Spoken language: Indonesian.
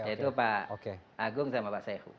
yaitu pak agung sama pak sehu